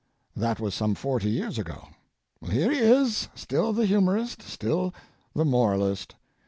That was some forty years ago. Here he is, still the humorist, still the moralist.